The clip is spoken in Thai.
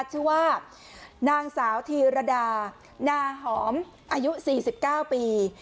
ชื่อว่านางสาวธีรดานาหอมอายุสี่สิบเก้าปี